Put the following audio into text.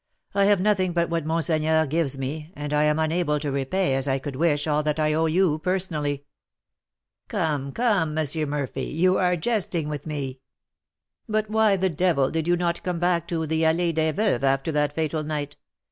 I have nothing but what monseigneur gives me, and I am unable to repay as I could wish all that I owe you personally." "Come, come, M. Murphy, you are jesting with me." "But why the devil did you not come back again to the Allée des Veuves after that fatal night?